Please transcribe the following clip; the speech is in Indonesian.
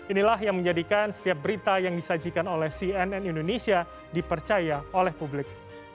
inilah yang menjadikan setiap berita yang disajikan oleh cnn indonesia dipercaya oleh publik